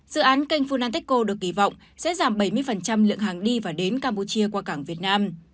dự án kênh funanteco được kỳ vọng sẽ giảm bảy mươi lượng hàng đi và đến campuchia qua cảng việt nam